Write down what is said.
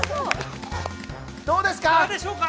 どうですか？